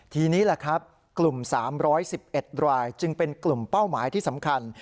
ทีนี้แหละครับกลุ่ม๓๑๑รายจึงเป็นกลุ่มเป้าหมายที่สำคัญ